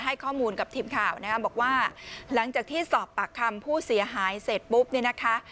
ให้ข้อมูลกับทีมข่าวนะคะบอกว่าหลังจากที่สอบปากคำผู้เสียหายเสร็จปุ๊บเนี่ยนะคะ